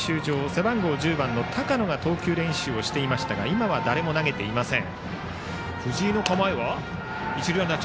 背番号１０番の高野が投球練習をしていましたが今は誰も投げていません。